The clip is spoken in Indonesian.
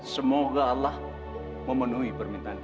semoga allah memenuhi permintaan